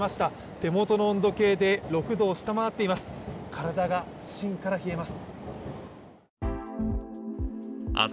手元の温度計で６度を下回っています。